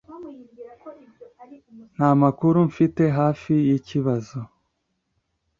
Nta makuru mfite hafi yikibazo.